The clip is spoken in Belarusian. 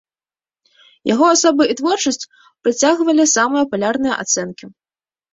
Яго асоба і творчасць прыцягвалі самыя палярныя ацэнкі.